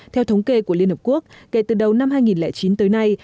theo thống kê của liên hợp quốc kể từ đầu năm hai nghìn chín tới nay